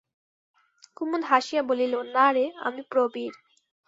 কুমুদ হাসিয়া বলিল, না রে, আমি, প্রবীর।